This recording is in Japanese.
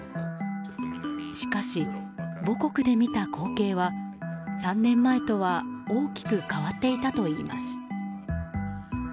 しかし、母国で見た光景は３年前とは大きく変わっていたといいます。